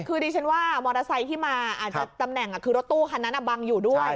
คือดิฉันว่ามอเตอร์ไซค์ที่มาอาจจะตำแหน่งคือรถตู้คันนั้นบังอยู่ด้วย